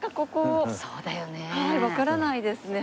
わからないですね。